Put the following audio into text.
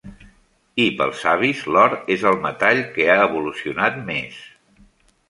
I, pels savis, l'or és el metall que ha evolucionat més.